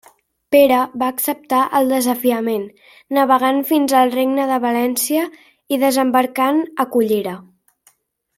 Pere va acceptar el desafiament, navegant fins al Regne de València i desembarcant a Cullera.